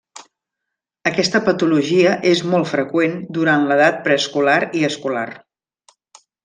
Aquesta patologia és molt freqüent durant l'edat preescolar i escolar.